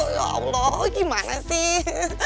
ya allah gimana sih